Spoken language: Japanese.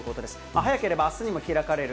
早ければあすにも開かれる